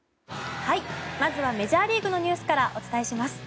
まずはメジャーリーグのニュースからお伝えします。